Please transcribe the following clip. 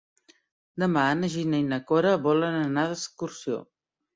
Demà na Gina i na Cora volen anar d'excursió.